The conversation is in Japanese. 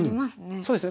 そうですね